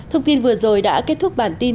thông tin vừa rồi đã kết thúc bản tin